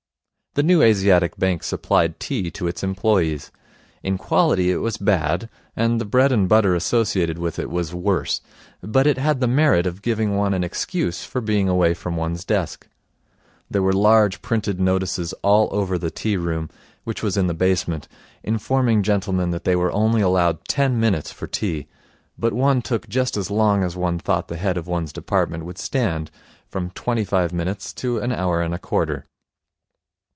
The New Asiatic Bank supplied tea to its employees. In quality it was bad, and the bread and butter associated with it was worse. But it had the merit of giving one an excuse for being away from one's desk. There were large printed notices all over the tea room, which was in the basement, informing gentlemen that they were only allowed ten minutes for tea, but one took just as long as one thought the head of one's department would stand, from twenty five minutes to an hour and a quarter.